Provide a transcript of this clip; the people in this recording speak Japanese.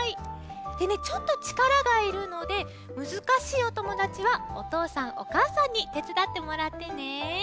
でねちょっとちからがいるのでむずかしいおともだちはおとうさんおかあさんにてつだってもらってね。